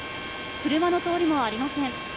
車の通りもありません。